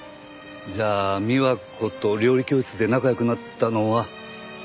じゃあ美和子と料理教室で仲良くなったのは？